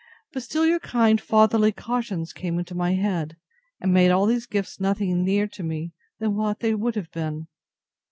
But still your kind fatherly cautions came into my head, and made all these gifts nothing near to me what they would have been.